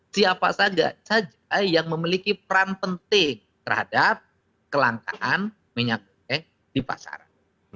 siapa saja yang memiliki peran penting terhadap kelangkaan minyak goreng di pasaran